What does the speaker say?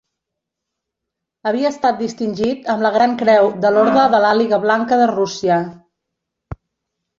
Havia estat distingit amb la Gran Creu de l'orde de l'Àliga Blanca de Rússia.